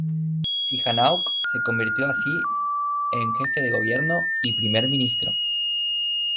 Sihanouk se convirtió así en jefe de Gobierno y primer ministro.